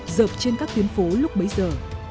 dợp trên các tuyến phố lúc bấy giờ